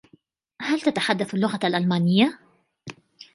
هل تتحدث اللغة الألمانية؟